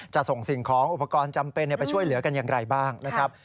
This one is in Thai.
จะส่งสิ่งของอุปกรณ์จำเป็นไปช่วยเหลือกันอย่างไรบ้างนะครับ